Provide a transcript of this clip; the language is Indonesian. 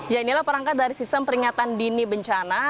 ya inilah perangkat dari sistem peringatan dini bencana